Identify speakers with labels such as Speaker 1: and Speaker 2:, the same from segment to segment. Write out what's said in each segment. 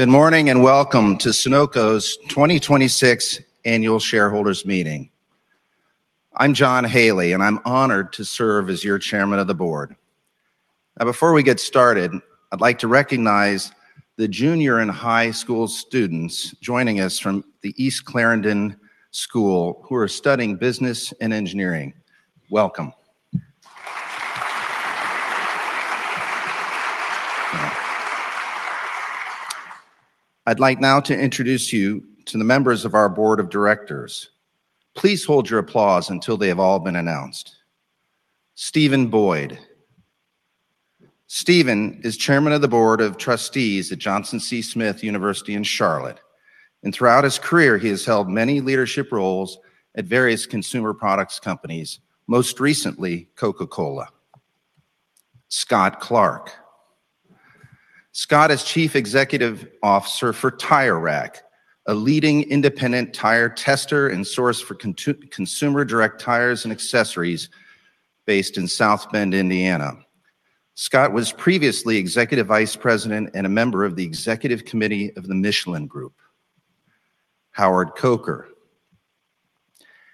Speaker 1: Good morning. Welcome to Sonoco's 2026 Annual Shareholders Meeting. I'm John Haley. I'm honored to serve as your Chairman of the Board. Now before we get started, I'd like to recognize the junior and high school students joining us from the East Clarendon School who are studying business and engineering. Welcome. I'd like now to introduce you to the members of our Board of Directors. Please hold your applause until they have all been announced. Steven Boyd. Steven is Chairman of the Board of Trustees at Johnson C. Smith University in Charlotte. Throughout his career, he has held many leadership roles at various consumer products companies, most recently Coca-Cola. Scott Clark. Scott is Chief Executive Officer for Tire Rack, a leading independent tire tester and source for consumer direct tires and accessories based in South Bend, Indiana. Scott was previously Executive Vice President and a member of the Executive Committee of the Michelin Group. Howard Coker.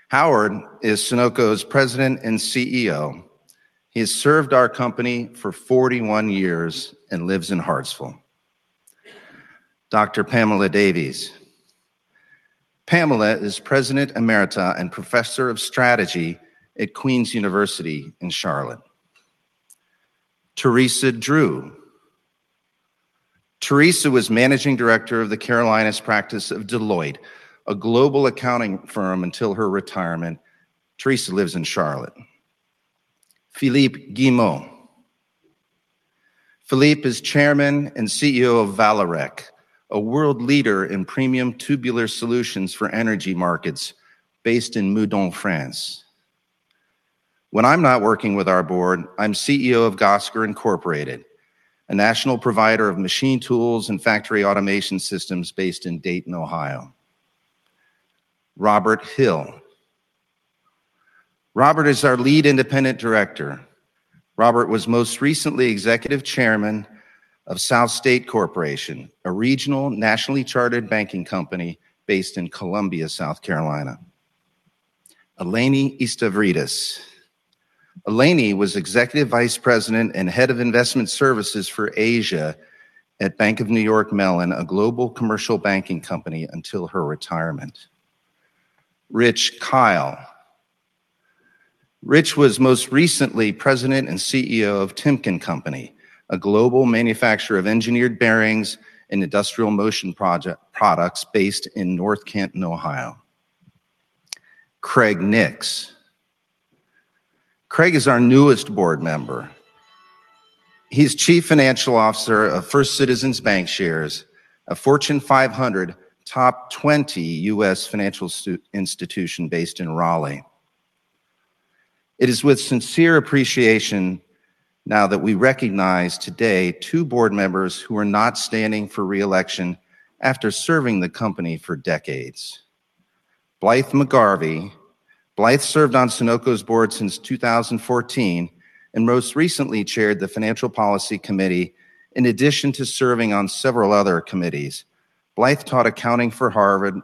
Speaker 1: Howard is Sonoco's President and CEO. He has served our company for 41 years and lives in Hartsville. Dr. Pamela Davies. Pamela is President Emerita and Professor of Strategy at Queens University of Charlotte. Theresa Drew. Theresa was Managing Director of the Carolinas practice of Deloitte, a global accounting firm, until her retirement. Theresa lives in Charlotte. Philippe Guillemot. Philippe is Chairman and CEO of Vallourec, a world leader in premium tubular solutions for energy markets based in Meudon, France. When I'm not working with our Board, I'm CEO of Gosiger Incorporated, a national provider of machine tools and factory automation systems based in Dayton, Ohio. Robert Hill. Robert is our Lead Independent Director. Robert was most recently Executive Chairman of SouthState Corporation, a regional, nationally chartered banking company based in Columbia, South Carolina. Eleni Istavridis. Eleni was Executive Vice President and Head of Investment Services for Asia at Bank of New York Mellon, a global commercial banking company, until her retirement. Rich Kyle. Rich was most recently President and CEO of Timken Company, a global manufacturer of engineered bearings and industrial motion products based in North Canton, Ohio. Craig Nix. Craig is our newest Board Member. He's Chief Financial Officer of First Citizens BancShares, a Fortune 500 top 20 U.S. financial institution based in Raleigh. It is with sincere appreciation now that we recognize today two Board Members who are not standing for re-election after serving the company for decades. Blythe McGarvie. Blythe McGarvie served on Sonoco's board since 2014 and most recently chaired the Financial Policy Committee in addition to serving on several other committees. Blythe McGarvie taught accounting for Harvard's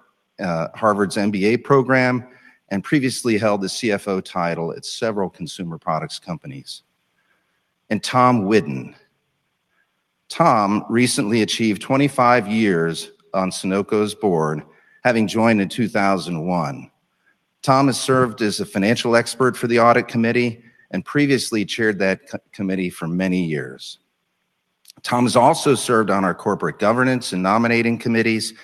Speaker 1: MBA program and previously held the CFO title at several consumer products companies. Thomas E. Whiddon. Thomas E. Whiddon recently achieved 25 years on Sonoco's board, having joined in 2001. Thomas E. Whiddon has served as a financial expert for the Audit Committee and previously chaired that committee for many years. Thomas E. Whiddon has also served on our Corporate Governance and Nominating Committees.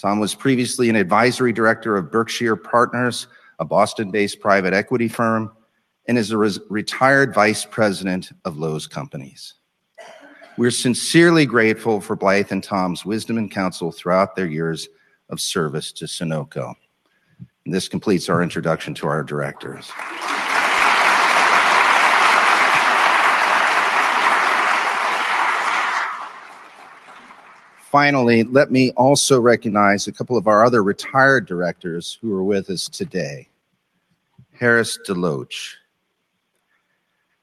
Speaker 1: Thomas E. Whiddon was previously an Advisory Director of Berkshire Partners, a Boston-based private equity firm, and is a retired Vice President of Loews Corporation. We're sincerely grateful for Blythe McGarvie and Thomas E. Whiddon's wisdom and counsel throughout their years of service to Sonoco. This completes our introduction to our directors. Finally, let me also recognize a couple of our other retired directors who are with us today. Harris DeLoach.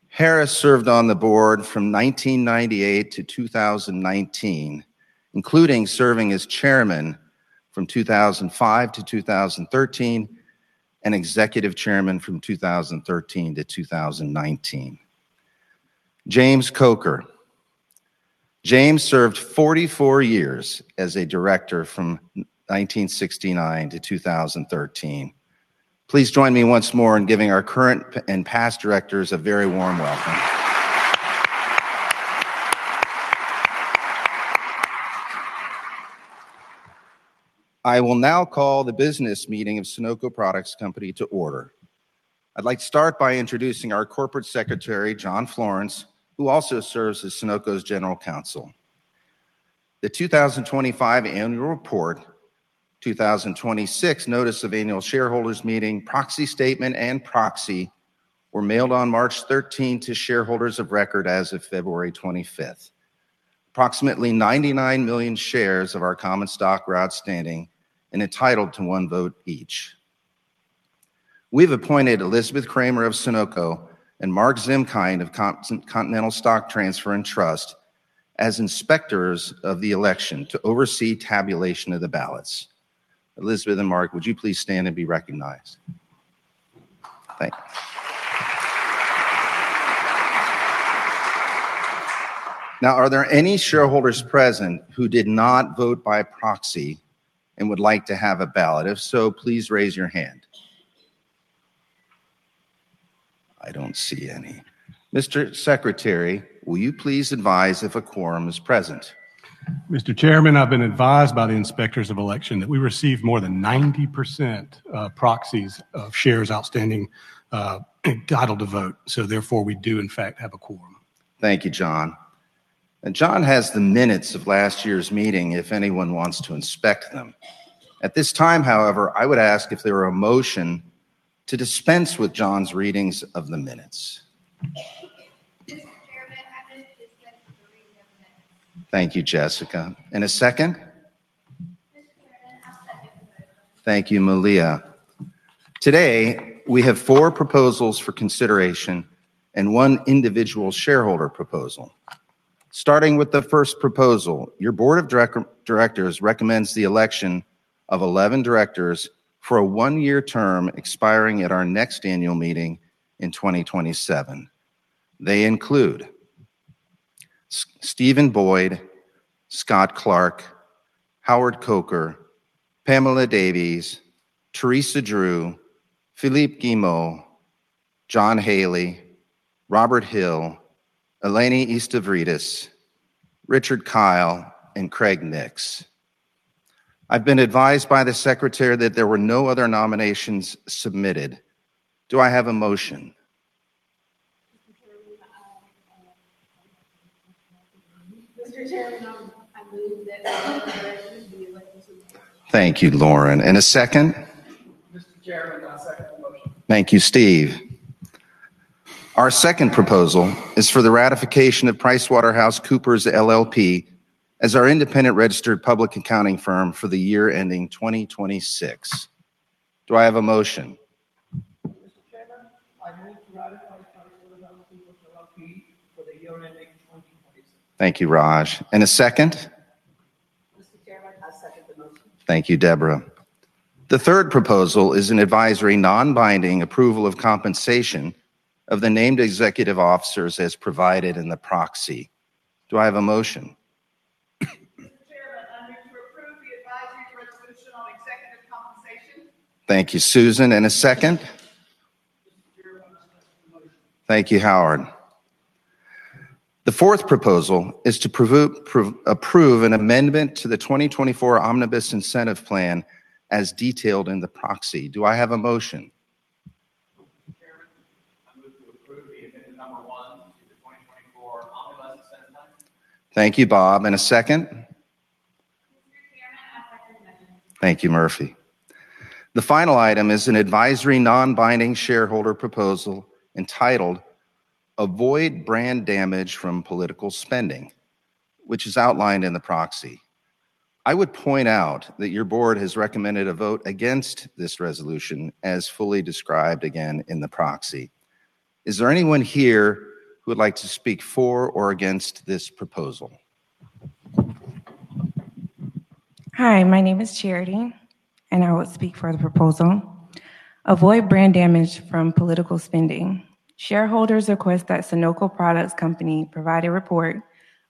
Speaker 1: Harris served on the Board from 1998-2019, including serving as Chairman from 2005-2013 and Executive Chairman from 2013-2019. James Coker. James served 44 years as a Director from 1969-2013. Please join me once more in giving our current and past Directors a very warm welcome. I will now call the business meeting of Sonoco Products Company to order. I'd like to start by introducing our Corporate Secretary, John Florence, who also serves as Sonoco's General Counsel. The 2025 Annual Report, 2026 Notice of Annual Shareholders Meeting, proxy statement, and proxy were mailed on March 13 to shareholders of record as of February 25th. Approximately 99 million shares of our common stock were outstanding and entitled to one vote each. We've appointed Elizabeth Kramer of Sonoco and Mark Zimkind of Continental Stock Transfer & Trust as inspectors of the election to oversee tabulation of the ballots. Elizabeth and Mark, would you please stand and be recognized? Thank you. Now, are there any shareholders present who did not vote by proxy and would like to have a ballot? If so, please raise your hand. I don't see any. Mr. Secretary, will you please advise if a quorum is present?
Speaker 2: Mr. Chairman, I've been advised by the Inspectors of Election that we received more than 90% proxies of shares outstanding entitled to vote. Therefore, we do in fact have a quorum.
Speaker 1: Thank you, John. John has the minutes of last year's meeting if anyone wants to inspect them. At this time, however, I would ask if there were a motion to dispense with John's readings of the minutes. Mr. Chairman, I move to dispense the reading of the minutes. Thank you, Jessica. A second? Mr. Chairman, I'll second the motion. Thank you, Malia. Today, we have four proposals for consideration and one individual shareholder proposal. Starting with the first proposal, your Board of Directors recommends the election of 11 directors for a one-year term expiring at our next annual meeting in 2027. They include Steven Boyd, Scott Clark, Howard Coker, Pamela Davies, Theresa Drew, Philippe Guillemot, John Haley, Robert Hill, Eleni Istavridis, Richard Kyle, and Craig Nix. I've been advised by the Secretary that there were no other nominations submitted. Do I have a motion?
Speaker 3: Mr. Chairman, I move that the Directors be elected pursuant to the proxy statement.
Speaker 1: Thank you, Lauren. A second?
Speaker 4: Mr. Chairman, I second the motion.
Speaker 1: Thank you, Steve. Our second proposal is for the ratification of PricewaterhouseCoopers LLP as our independent registered public accounting firm for the year ending 2026. Do I have a motion?
Speaker 2: Mr. Chairman, I move to ratify PricewaterhouseCoopers LLP for the year ending 2026.
Speaker 1: Thank you, Raj. A second? Mr. Chairman, I second the motion. Thank you, Deborah. The third proposal is an advisory non-binding approval of compensation of the named executive officers as provided in the proxy. Do I have a motion?
Speaker 3: Mr. Chairman, I move to approve the advisory resolution on executive compensation.
Speaker 1: Thank you, Susan. A second?
Speaker 5: Mr. Chairman, I second the motion.
Speaker 1: Thank you, Howard. The fourth proposal is to approve an amendment to the 2024 Omnibus Incentive Plan as detailed in the proxy. Do I have a motion?
Speaker 6: Mr. Chairman, I move to approve the amendment number one to the 2024 Omnibus Incentive Plan.
Speaker 1: Thank you, Bob. A second? Mr. Chairman, I second the motion. Thank you, Murphy. The final item is an advisory non-binding shareholder proposal entitled Avoid Brand Damage from Political Spending, which is outlined in the proxy. I would point out that your Board has recommended a vote against this resolution as fully described again in the proxy. Is there anyone here who would like to speak for or against this proposal?
Speaker 7: Hi, my name is Charity, and I will speak for the proposal. Avoid Brand Damage From Political Spending. Shareholders request that Sonoco Products Company provide a report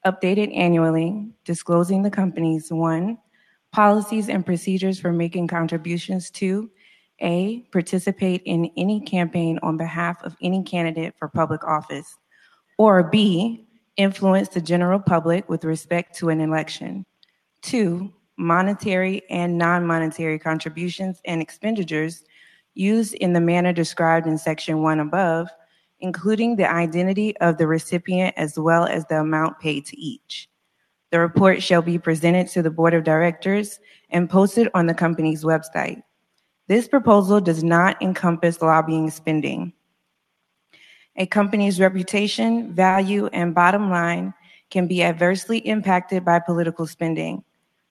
Speaker 7: updated annually disclosing the company's, 1, policies and procedures for making contributions to, A, participate in any campaign on behalf of any candidate for public office, or B, influence the general public with respect to an election. 2, monetary and non-monetary contributions and expenditures used in the manner described in section 1 above, including the identity of the recipient as well as the amount paid to each. The report shall be presented to the Board of Directors and posted on the company's website. This proposal does not encompass lobbying spending. A company's reputation, value, and bottom line can be adversely impacted by political spending.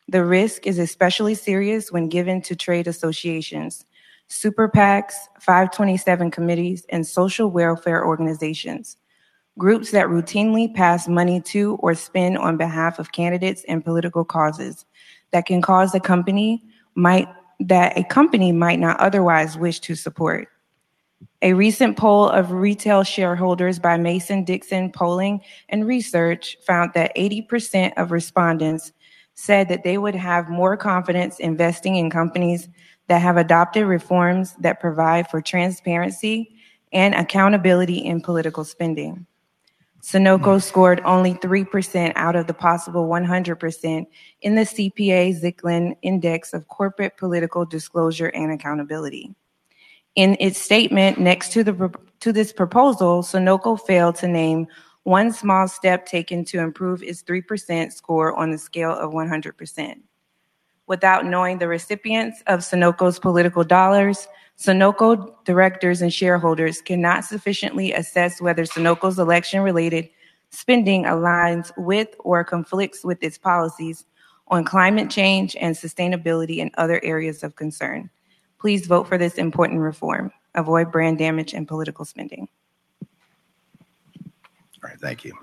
Speaker 7: The risk is especially serious when given to trade associations, super PACs, 527 committees, and social welfare organizations, groups that routinely pass money to or spend on behalf of candidates and political causes that a company might not otherwise wish to support. A recent poll of retail shareholders by Mason-Dixon Polling & Strategy found that 80% of respondents said that they would have more confidence investing in companies that have adopted reforms that provide for transparency and accountability in political spending. Sonoco scored only 3% out of the possible 100% in the CPA-Zicklin Index of Corporate Political Disclosure and Accountability. In its statement next to this proposal, Sonoco failed to name one small step taken to improve its 3% score on the scale of 100%. Without knowing the recipients of Sonoco's political dollars, Sonoco directors and shareholders cannot sufficiently assess whether Sonoco's election-related spending aligns with or conflicts with its policies on climate change and sustainability and other areas of concern. Please vote for this important reform. Avoid brand damage and political spending.
Speaker 1: All right. Thank you.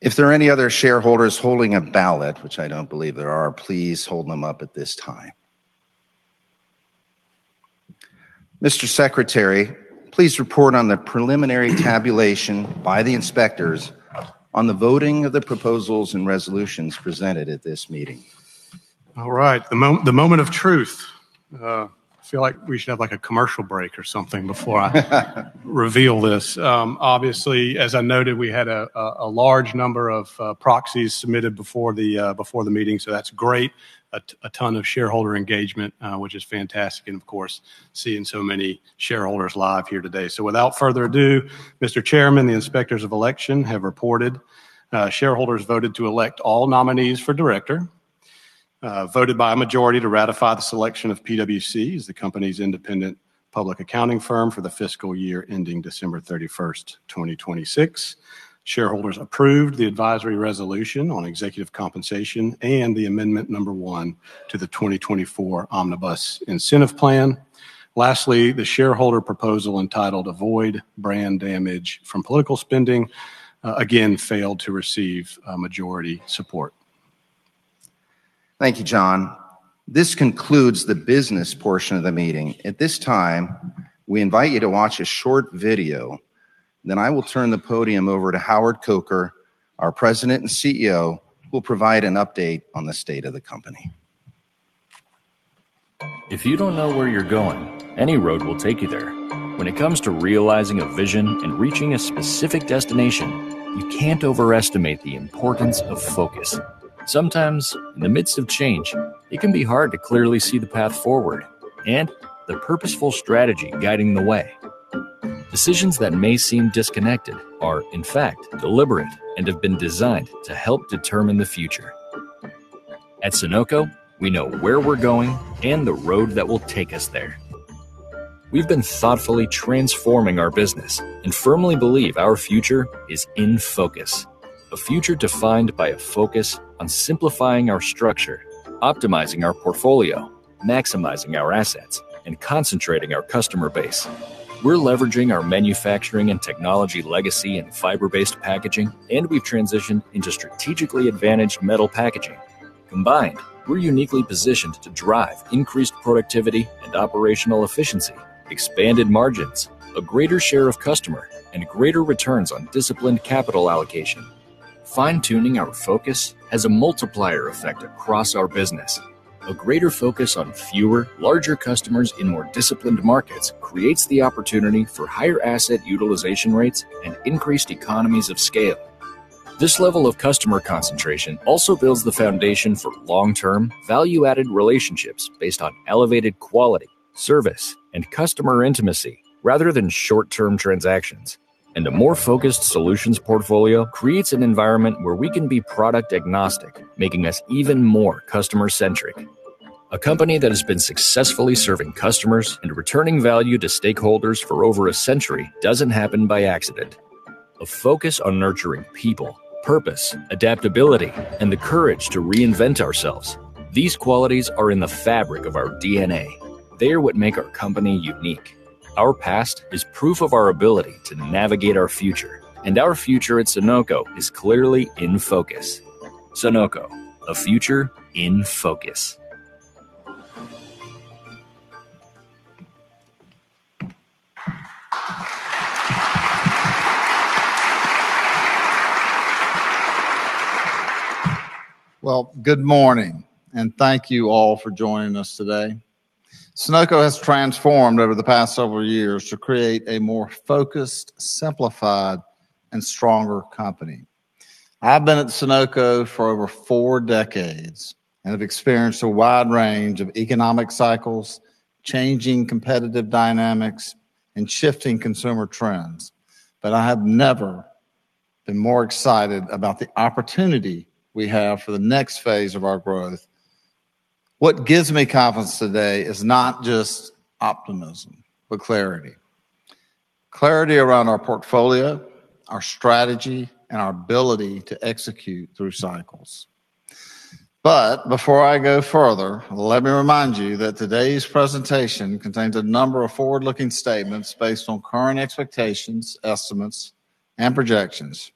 Speaker 1: If there are any other shareholders holding a ballot, which I don't believe there are, please hold them up at this time. Mr. Secretary, please report on the preliminary tabulation by the inspectors on the voting of the proposals and resolutions presented at this meeting.
Speaker 2: All right. The moment of truth. I feel like we should have a commercial break or something before I reveal this. Obviously, as I noted, we had a large number of proxies submitted before the meeting, so that's great, a ton of shareholder engagement, which is fantastic, and of course, seeing so many shareholders live here today. Without further ado, Mr. Chairman, the Inspectors of Election have reported. Shareholders voted to elect all nominees for Director, voted by a majority to ratify the selection of PwC as the Company's independent public accounting firm for the fiscal year ending December 31st, 2026. Shareholders approved the advisory resolution on executive compensation and the Amendment Number 1 to the 2024 Omnibus Incentive Plan. Lastly, the shareholder proposal entitled Avoid Brand Damage from Political Spending, again, failed to receive majority support.
Speaker 1: Thank you, John. This concludes the business portion of the meeting. At this time, we invite you to watch a short video. I will turn the podium over to Howard Coker, our President and CEO, who will provide an update on the state of the company.
Speaker 8: If you don't know where you're going, any road will take you there. When it comes to realizing a vision and reaching a specific destination, you can't overestimate the importance of focus. Sometimes, in the midst of change, it can be hard to clearly see the path forward and the purposeful strategy guiding the way. Decisions that may seem disconnected are, in fact, deliberate and have been designed to help determine the future. At Sonoco, we know where we're going and the road that will take us there. We've been thoughtfully transforming our business and firmly believe our future is in focus, a future defined by a focus on simplifying our structure, optimizing our portfolio, maximizing our assets, and concentrating our customer base. We're leveraging our manufacturing and technology legacy in fiber-based packaging, and we've transitioned into strategically advantaged metal packaging. Combined, we're uniquely positioned to drive increased productivity and operational efficiency, expanded margins, a greater share of customer, and greater returns on disciplined capital allocation. Fine-tuning our focus has a multiplier effect across our business. A greater focus on fewer, larger customers in more disciplined markets creates the opportunity for higher asset utilization rates and increased economies of scale. This level of customer concentration also builds the foundation for long-term, value-added relationships based on elevated quality, service, and customer intimacy, rather than short-term transactions. A more focused solutions portfolio creates an environment where we can be product-agnostic, making us even more customer-centric. A company that has been successfully serving customers and returning value to stakeholders for over a century doesn't happen by accident. A focus on nurturing people, purpose, adaptability, and the courage to reinvent ourselves, these qualities are in the fabric of our DNA. They are what make our company unique. Our past is proof of our ability to navigate our future, and our future at Sonoco is clearly in focus. Sonoco, a future in focus.
Speaker 5: Well, good morning, and thank you all for joining us today. Sonoco has transformed over the past several years to create a more focused, simplified, and stronger company. I've been at Sonoco for over four decades and have experienced a wide range of economic cycles, changing competitive dynamics, and shifting consumer trends, but I have never been more excited about the opportunity we have for the next phase of our growth. What gives me confidence today is not just optimism, but clarity around our portfolio, our strategy, and our ability to execute through cycles. Before I go further, let me remind you that today's presentation contains a number of forward-looking statements based on current expectations, estimates, and projections.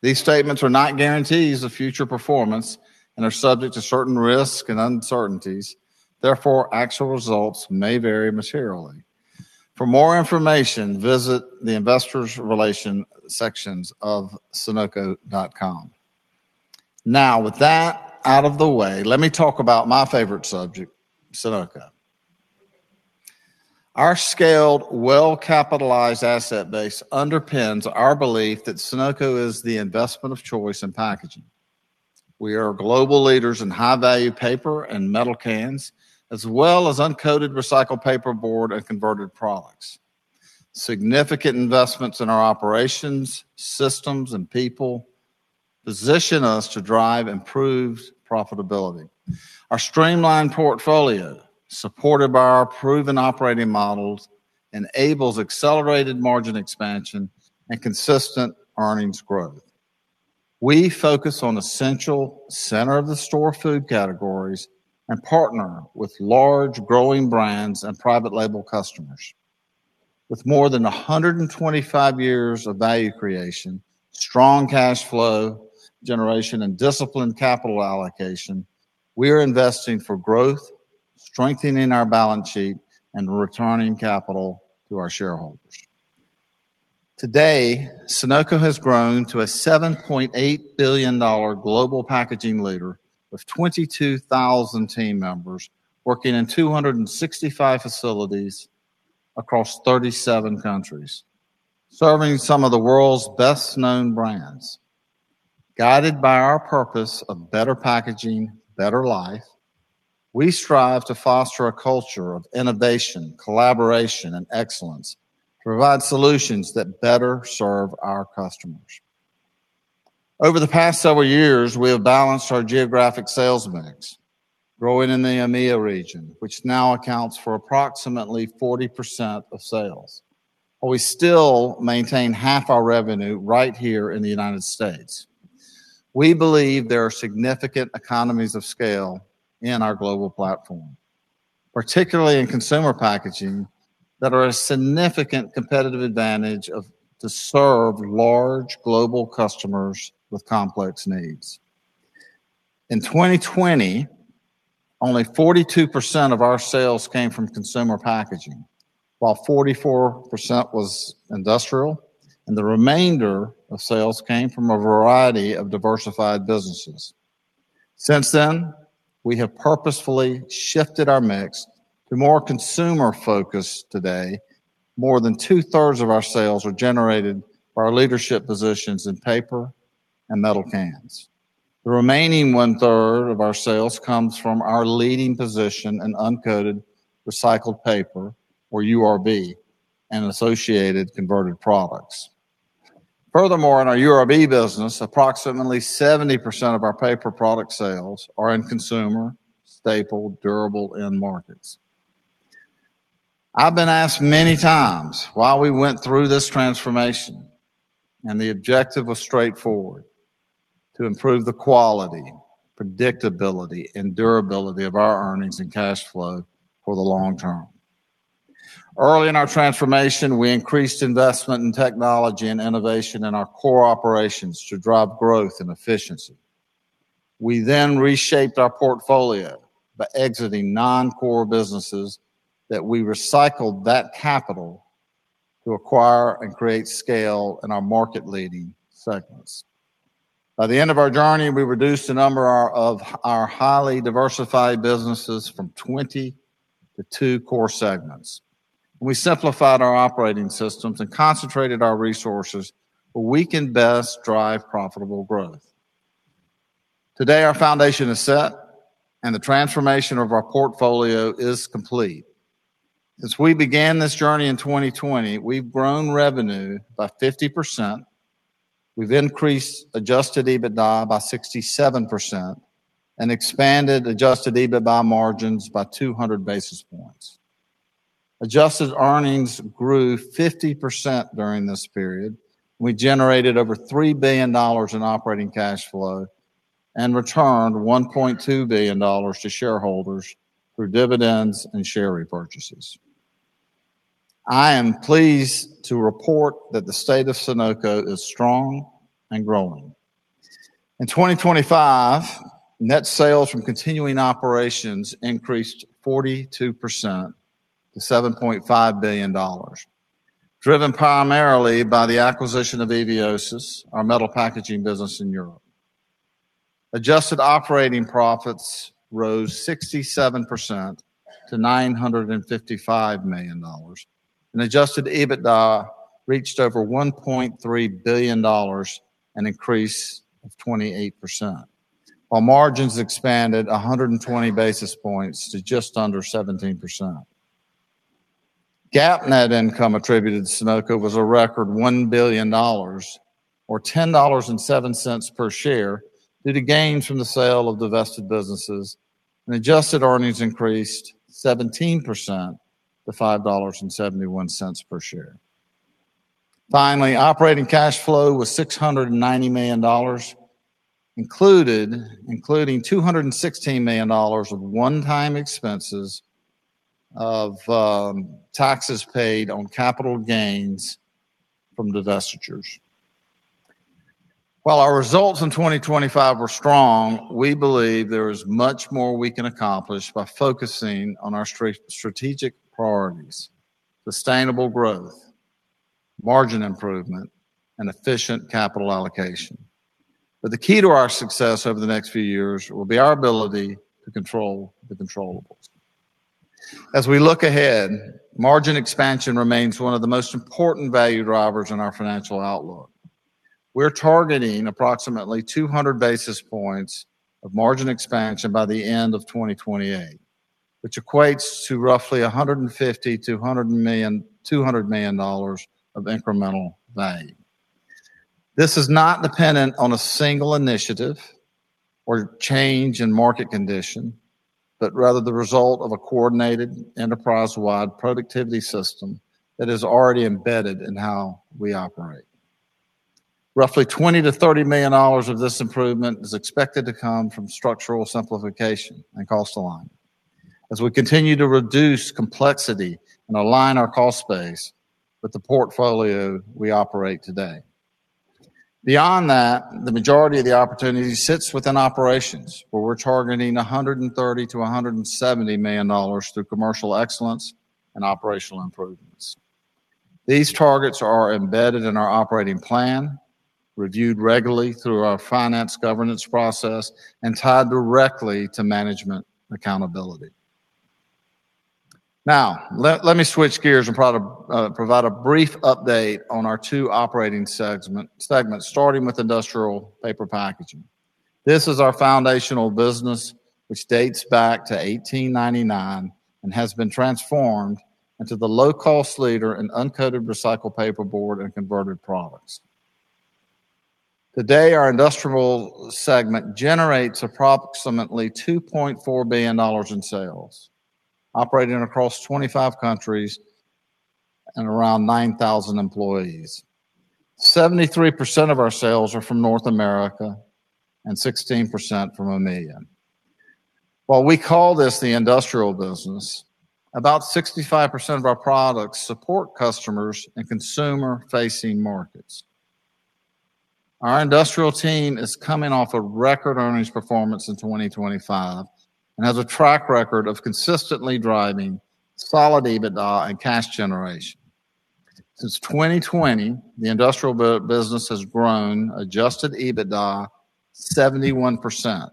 Speaker 5: These statements are not guarantees of future performance and are subject to certain risks and uncertainties. Therefore, actual results may vary materially. For more information, visit the Investor Relations sections of sonoco.com. Now, with that out of the way, let me talk about my favorite subject, Sonoco. Our scaled, well-capitalized asset base underpins our belief that Sonoco is the investment of choice in packaging. We are global leaders in high-value paper and metal cans, as well as uncoated recycled paperboard and converted products. Significant investments in our operations, systems, and people position us to drive improved profitability. Our streamlined portfolio, supported by our proven operating models, enables accelerated margin expansion and consistent earnings growth. We focus on essential center-of-the-store food categories and partner with large growing brands and private-label customers. With more than 125 years of value creation, strong cash flow generation, and disciplined capital allocation, we are investing for growth, strengthening our balance sheet, and returning capital to our shareholders. Today, Sonoco has grown to a $7.8 billion global packaging leader with 22,000 team members working in 265 facilities across 37 countries, serving some of the world's best-known brands. Guided by our purpose of Better Packaging, Better Life, we strive to foster a culture of innovation, collaboration, and excellence to provide solutions that better serve our customers. Over the past several years, we have balanced our geographic sales mix, growing in the EMEIA region, which now accounts for approximately 40% of sales, while we still maintain half our revenue right here in the United States. We believe there are significant economies of scale in our global platform, particularly in Consumer Packaging, that are a significant competitive advantage to serve large global customers with complex needs. In 2020, only 42% of our sales came from consumer packaging, while 44% was industrial, and the remainder of sales came from a variety of diversified businesses. Since then, we have purposefully shifted our mix to more consumer-focused today. More than 2/3 of our sales are generated by our leadership positions in paper and metal cans. The remaining 1/3 of our sales comes from our leading position in uncoated recycled paper or uncoated recycled paperboard and associated converted products. Furthermore, in our uncoated recycled paperboard business, approximately 70% of our paper product sales are in consumer staple durable end markets. I've been asked many times why we went through this transformation, and the objective was straightforward, to improve the quality, predictability, and durability of our earnings and cash flow for the long term. Early in our transformation, we increased investment in technology and innovation in our core operations to drive growth and efficiency. We then reshaped our portfolio by exiting non-core businesses that we recycled that capital to acquire and create scale in our market-leading segments. By the end of our journey, we reduced the number of our highly diversified businesses from 20 to two core segments. We simplified our operating systems and concentrated our resources where we can best drive profitable growth. Today, our foundation is set, and the transformation of our portfolio is complete. Since we began this journey in 2020, we've grown revenue by 50%. We've increased adjusted EBITDA by 67% and expanded adjusted EBITDA margins by 200 basis points. Adjusted earnings grew 50% during this period. We generated over $3 billion in operating cash flow and returned $1.2 billion to shareholders through dividends and share repurchases. I am pleased to report that the state of Sonoco is strong and growing. In 2025, net sales from continuing operations increased 42% to $7.5 billion, driven primarily by the acquisition of Eviosys, our metal packaging business in Europe. Adjusted operating profits rose 67% to $955 million, and adjusted EBITDA reached over $1.3 billion, an increase of 28%, while margins expanded 120 basis points to just under 17%. GAAP net income attributed to Sonoco was a record $1 billion or $10.7 per share due to gains from the sale of divested businesses, and adjusted earnings increased 17% to $5.71 per share. Finally, operating cash flow was $690 million, including $216 million of one-time expenses of taxes paid on capital gains from divestitures. While our results in 2025 were strong, we believe there is much more we can accomplish by focusing on our strategic priorities, sustainable growth, margin improvement, and efficient capital allocation. The key to our success over the next few years will be our ability to control the controllables. As we look ahead, margin expansion remains one of the most important value drivers in our financial outlook. We're targeting approximately 200 basis points of margin expansion by the end of 2028, which equates to roughly $150 million-$200 million of incremental value. This is not dependent on a single initiative or change in market condition, but rather the result of a coordinated enterprise-wide productivity system that is already embedded in how we operate. Roughly $20 million-$30 million of this improvement is expected to come from structural simplification and cost alignment, as we continue to reduce complexity and align our cost base with the portfolio we operate today. Beyond that, the majority of the opportunity sits within operations, where we're targeting $130 million-$170 million through commercial excellence and operational improvements. These targets are embedded in our operating plan, reviewed regularly through our finance governance process, and tied directly to management accountability. Now, let me switch gears and provide a brief update on our two operating segments, starting with Industrial Paper Packaging. This is our foundational business, which dates back to 1899 and has been transformed into the low-cost leader in uncoated recycled paperboard and converted products. Today, our Industrial Segment generates approximately $2.4 billion in sales, operating across 25 countries and around 9,000 employees. 73% of our sales are from North America and 16% from EMEA. While we call this the Industrial Business, about 65% of our products support customers in consumer-facing markets. Our Industrial Team is coming off a record earnings performance in 2025 and has a track record of consistently driving solid EBITDA and cash generation. Since 2020, the Industrial business has grown Adjusted EBITDA 71%,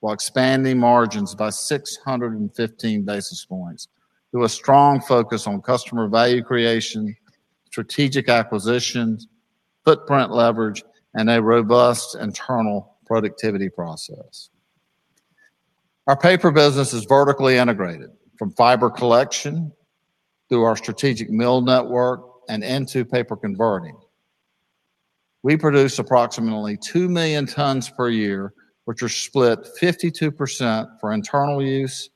Speaker 5: while expanding margins by 615 basis points, through a strong focus on customer value creation, strategic acquisitions, footprint leverage, and a robust internal productivity process. Our Paper business is vertically integrated, from fiber collection through our strategic mill network and into paper converting. We produce approximately 2 million tons per year, which are split 52% for internal use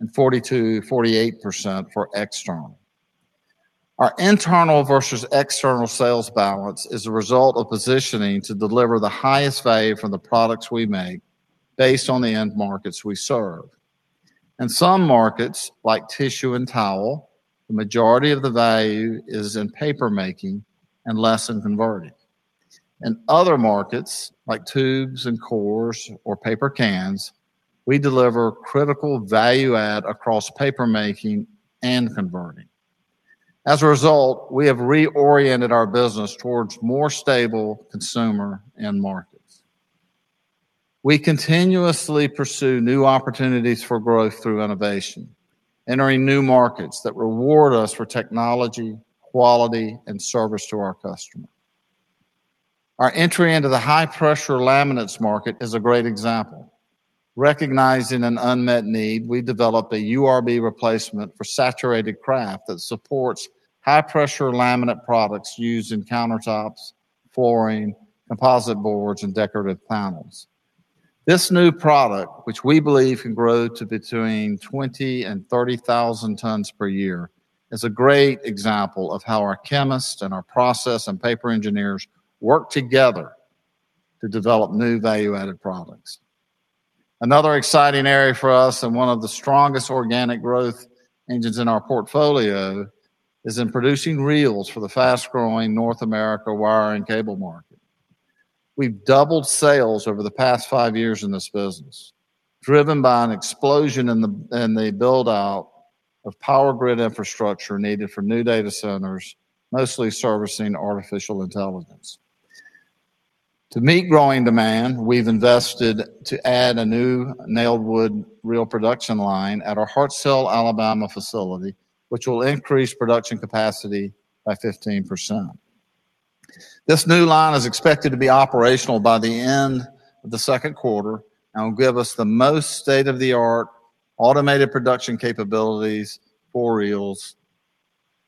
Speaker 5: and 48% for external. Our internal versus external sales balance is a result of positioning to deliver the highest value for the products we make based on the end markets we serve. In some markets, like tissue and towel, the majority of the value is in papermaking and less in converting. In other markets, like tubes and cores or paper cans, we deliver critical value add across papermaking and converting. As a result, we have reoriented our business towards more stable consumer end markets. We continuously pursue new opportunities for growth through innovation, entering new markets that reward us for technology, quality, and service to our customers. Our entry into the high-pressure laminates market is a great example. Recognizing an unmet need, we developed a URB replacement for Saturated Kraft that supports high-pressure laminate products used in countertops, flooring, composite boards, and decorative panels. This new product, which we believe can grow to between 20,000 and 30,000 tons per year, is a great example of how our chemists and our process and paper engineers work together to develop new value-added products. Another exciting area for us and one of the strongest organic growth engines in our portfolio is in producing reels for the fast-growing North America wire and cable market. We've doubled sales over the past five years in this business, driven by an explosion in the build-out of power grid infrastructure needed for new data centers, mostly servicing artificial intelligence. To meet growing demand, we've invested to add a new nailed wood reel production line at our Hartselle, Alabama facility, which will increase production capacity by 15%. This new line is expected to be operational by the end of the second quarter and will give us the most state-of-the-art automated production capabilities for reels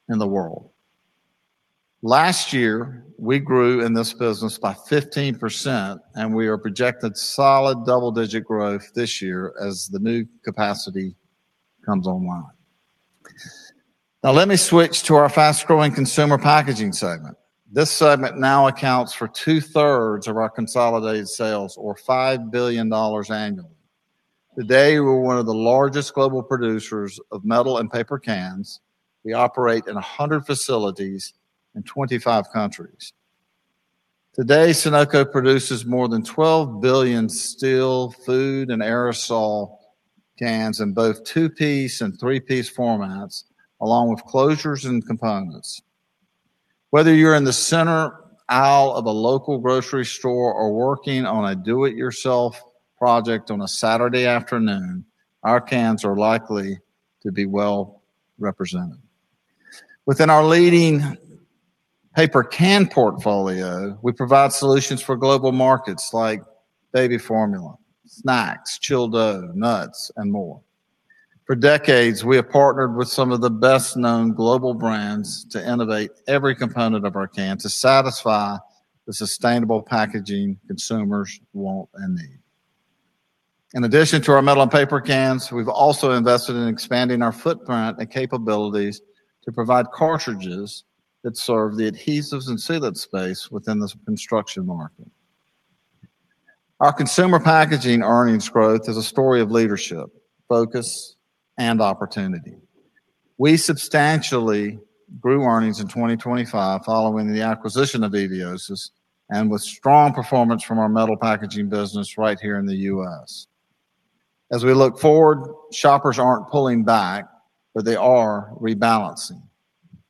Speaker 5: in the world. Last year, we grew in this business by 15%, and we are projected solid double-digit growth this year as the new capacity comes online. Now let me switch to our fast-growing Consumer Packaging segment. This segment now accounts for 2/3 of our consolidated sales or $5 billion annually. Today, we're one of the largest global producers of metal and paper cans. We operate in 100 facilities in 25 countries. Today, Sonoco produces more than 12 billion steel, food, and aerosol cans in both two-piece and three-piece formats, along with closures and components. Whether you're in the center aisle of a local grocery store or working on a do-it-yourself project on a Saturday afternoon, our cans are likely to be well represented. Within our leading paper can portfolio, we provide solutions for global markets like baby formula, snacks, chilled dough, nuts, and more. For decades, we have partnered with some of the best-known global brands to innovate every component of our can to satisfy the sustainable packaging consumers want and need. In addition to our metal and paper cans, we've also invested in expanding our footprint and capabilities to provide cartridges that serve the adhesives and sealant space within this construction market. Our Consumer Packaging earnings growth is a story of leadership, focus, and opportunity. We substantially grew earnings in 2025 following the acquisition of Eviosys and with strong performance from our Metal Packaging business right here in the U.S. As we look forward, shoppers aren't pulling back, but they are rebalancing.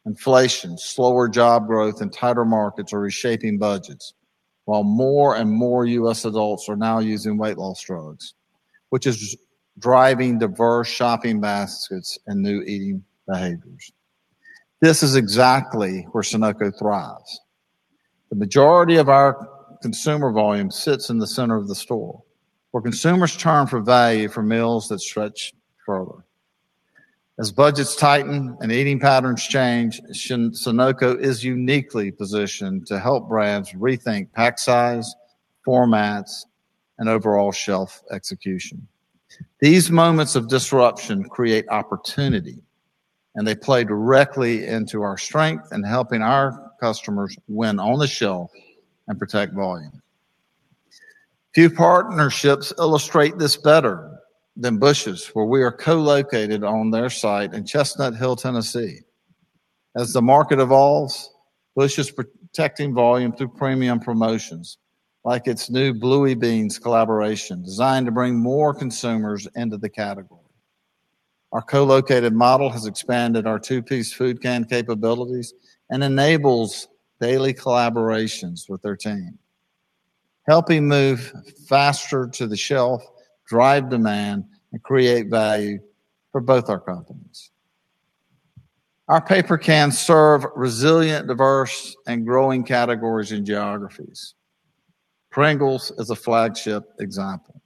Speaker 5: Inflation, slower job growth, and tighter markets are reshaping budgets, while more and more U.S. adults are now using weight loss drugs, which is driving diverse shopping baskets and new eating behaviors. This is exactly where Sonoco thrives. The majority of our consumer volume sits in the center of the store, where consumers turn for value for meals that stretch further. As budgets tighten and eating patterns change, Sonoco is uniquely positioned to help brands rethink pack size, formats, and overall shelf execution. These moments of disruption create opportunity, and they play directly into our strength in helping our customers win on the shelf and protect volume. Few partnerships illustrate this better than Bush's, where we are co-located on their site in Chestnut Hill, Tennessee. As the market evolves, Bush's Beans protecting volume through premium promotions, like its new Bush's Bluey Beans collaboration, designed to bring more consumers into the category. Our co-located model has expanded our two-piece food can capabilities and enables daily collaborations with their team, helping move faster to the shelf, drive demand and create value for both our companies. Our paper cans serve resilient, diverse, and growing categories and geographies. Pringles is a flagship example.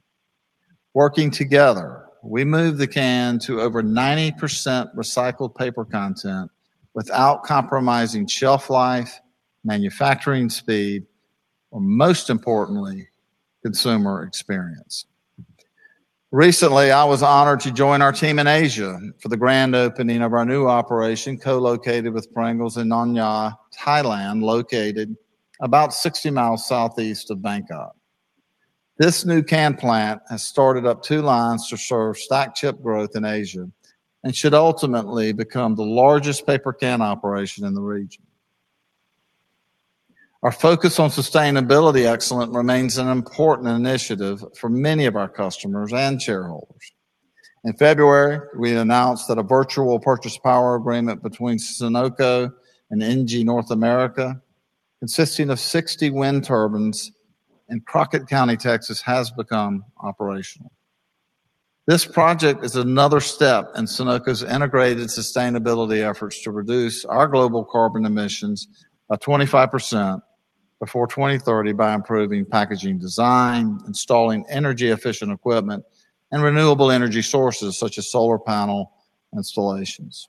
Speaker 5: Working together, we moved the can to over 90% recycled paper content without compromising shelf life, manufacturing speed, or most importantly, consumer experience. Recently, I was honored to join our team in Asia for the grand opening of our new operation co-located with Pringles in Nong Khae, Thailand, located about 60 mi southeast of Bangkok. This new can plant has started up two lines to serve stack chip growth in Asia and should ultimately become the largest paper can operation in the region. Our focus on sustainability excellence remains an important initiative for many of our customers and shareholders. In February, we announced that a virtual purchase power agreement between Sonoco and ENGIE North America, consisting of 60 wind turbines in Crockett County, Texas, has become operational. This project is another step in Sonoco's integrated sustainability efforts to reduce our global carbon emissions by 25% before 2030 by improving packaging design, installing energy-efficient equipment, and renewable energy sources such as solar panel installations.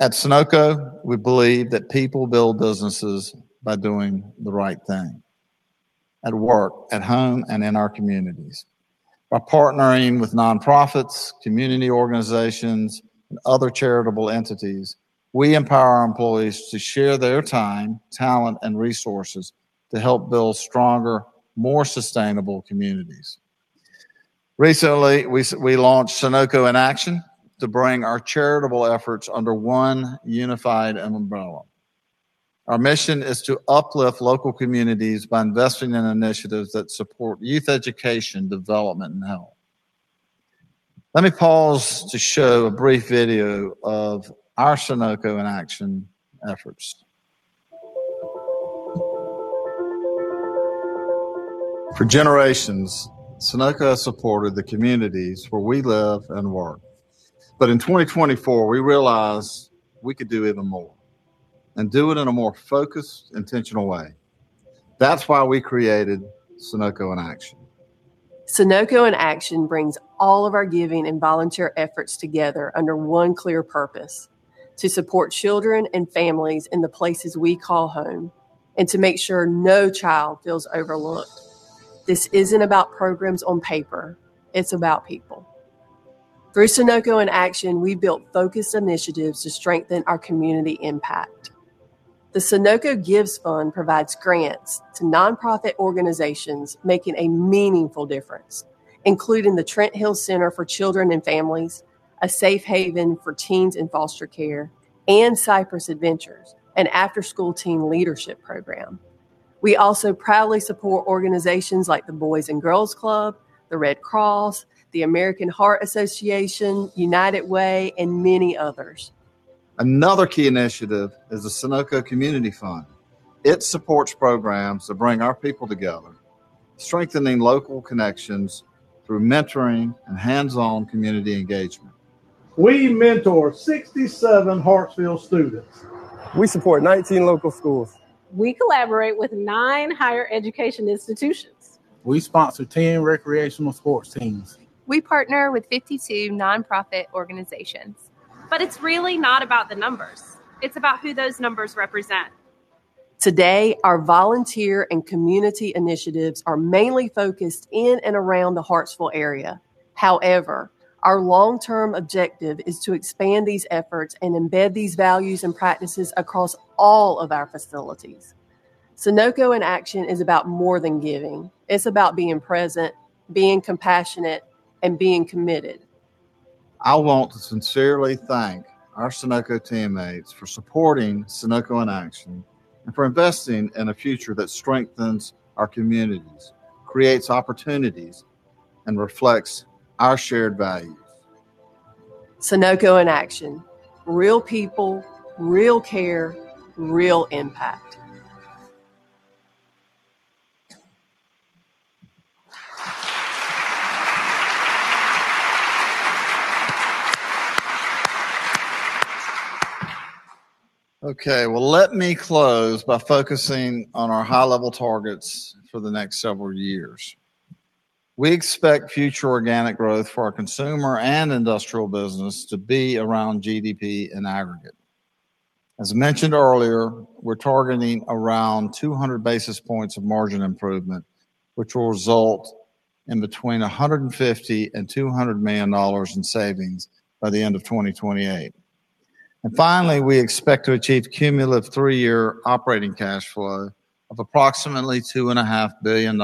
Speaker 5: At Sonoco, we believe that people build businesses by doing the right thing at work, at home, and in our communities. By partnering with nonprofits, community organizations, and other charitable entities, we empower our employees to share their time, talent, and resources to help build stronger, more sustainable communities. Recently, we launched Sonoco in Action to bring our charitable efforts under one unified umbrella. Our mission is to uplift local communities by investing in initiatives that support youth education, development, and health. Let me pause to show a brief video of our Sonoco in Action efforts. For generations, Sonoco has supported the communities where we live and work. In 2024, we realized we could do even more and do it in a more focused, intentional way. That's why we created Sonoco in Action.
Speaker 8: Sonoco in Action brings all of our giving and volunteer efforts together under one clear purpose, to support children and families in the places we call home, and to make sure no child feels overlooked. This isn't about programs on paper. It's about people. Through Sonoco in Action, we built focused initiatives to strengthen our community impact. The Sonoco Gives Fund provides grants to nonprofit organizations making a meaningful difference, including the Trent Hill Center for Children and Families, a safe haven for teens in foster care, and Cypress Adventures, an after-school teen leadership program. We also proudly support organizations like the Boys & Girls Club, The Red Cross, the American Heart Association, United Way, and many others.
Speaker 5: Another key initiative is the Sonoco Community Fund. It supports programs that bring our people together, strengthening local connections through mentoring and hands-on community engagement.
Speaker 9: We mentor 67 Hartsville students.
Speaker 10: We support 19 local schools.
Speaker 11: We collaborate with nine higher education institutions.
Speaker 12: We sponsor 10 recreational sports teams.
Speaker 13: We partner with 52 nonprofit organizations. It's really not about the numbers. It's about who those numbers represent.
Speaker 8: Today, our volunteer and community initiatives are mainly focused in and around the Hartsville area. However, our long-term objective is to expand these efforts and embed these values and practices across all of our facilities. Sonoco in Action is about more than giving. It's about being present, being compassionate, and being committed.
Speaker 5: I want to sincerely thank our Sonoco teammates for supporting Sonoco in Action, and for investing in a future that strengthens our communities, creates opportunities, and reflects our shared values.
Speaker 8: Sonoco in Action, real people, real care, real impact.
Speaker 5: Okay. Well, let me close by focusing on our high-level targets for the next several years. We expect future organic growth for our consumer and industrial business to be around GDP in aggregate. As mentioned earlier, we're targeting around 200 basis points of margin improvement, which will result in between $150 million and $200 million in savings by the end of 2028. Finally, we expect to achieve cumulative three-year operating cash flow of approximately $2.5 billion,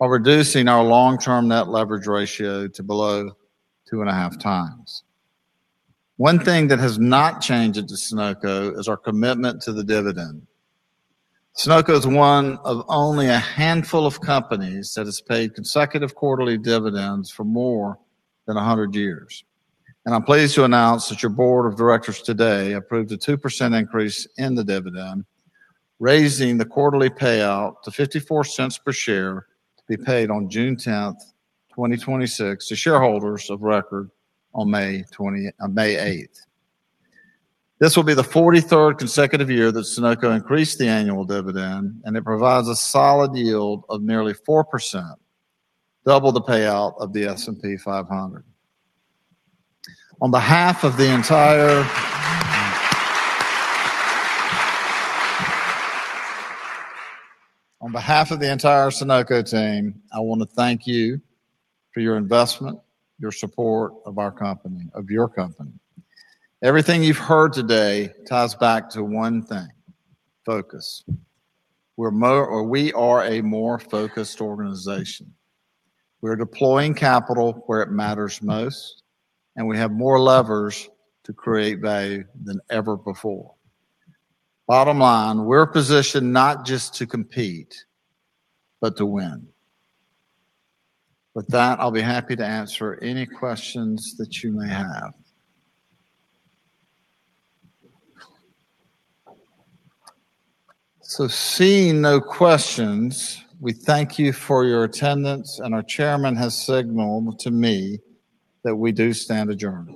Speaker 5: while reducing our long-term net leverage ratio to below 2.5 times. One thing that has not changed at Sonoco is our commitment to the dividend. Sonoco is one of only a handful of companies that has paid consecutive quarterly dividends for more than 100 years. I'm pleased to announce that your Board of Directors today approved a 2% increase in the dividend, raising the quarterly payout to $0.54 per share to be paid on June 10th, 2026 to shareholders of record on May 8th. This will be the 43rd consecutive year that Sonoco increased the annual dividend. It provides a solid yield of nearly 4%, double the payout of the S&P 500. On behalf of the entire Sonoco Team, I want to thank you for your investment, your support of your company. Everything you've heard today ties back to one thing, focus. We are a more focused organization. We're deploying capital where it matters most. We have more levers to create value than ever before. Bottom line, we're positioned not just to compete, but to win. With that, I'll be happy to answer any questions that you may have. Seeing no questions, we thank you for your attendance, and our Chairman has signaled to me that we do stand adjourned.